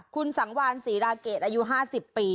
คุณสังวานศรีราเกตอายุ๕๐ปี